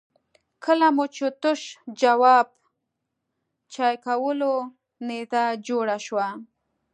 کله چې مو تش جواب چای کولو نيزه جوړه شوه.